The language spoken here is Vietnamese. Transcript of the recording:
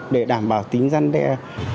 để đảm bảo tính gian đồng